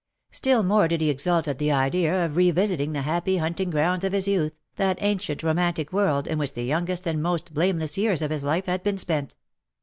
Still more did he exult at the idea of re visiting the happy hunting grounds of his youth, that ancient romantic world in which the youngest and most blameless years of his life had been spent.